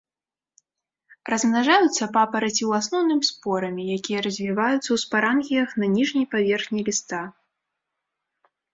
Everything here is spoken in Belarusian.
Размнажаюцца папараці ў асноўным спорамі, якія развіваюцца ў спарангіях на ніжняй паверхні ліста.